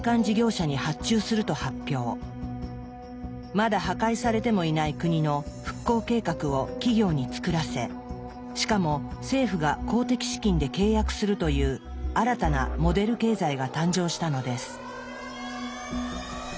まだ破壊されてもいない国の復興計画を企業に作らせしかも政府が公的資金で契約するという新たな「モデル経済」が誕生したのです。